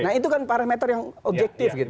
nah itu kan parameter yang objektif gitu